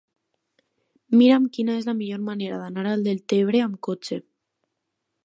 Mira'm quina és la millor manera d'anar a Deltebre amb cotxe.